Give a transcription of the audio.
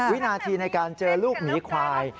วินาทีในการเจอลูกหมีควาย